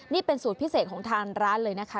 นี่เป็นสูตรพิเศษของทางร้านเลยนะคะ